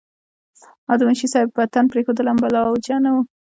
او د منشي صېب وطن پريښودل هم بلاوجه نه وو